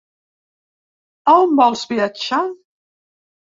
A on vols viatjar?